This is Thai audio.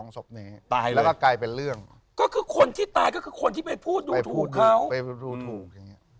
สบเลยตายแล้วก็กลายเป็นเรื่องก็คือคนที่ตายก็คือคนที่ไม่พูดไม่รู้ถูก